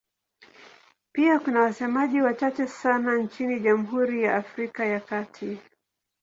Pia kuna wasemaji wachache sana nchini Jamhuri ya Afrika ya Kati.